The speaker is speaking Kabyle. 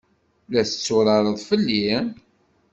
La tetturareḍ fell-i?